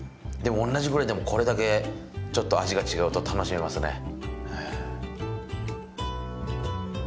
でも同じグレでもこれだけちょっと味が違うと楽しめますね。